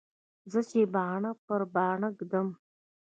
زه چې باڼه پر باڼه ږدم.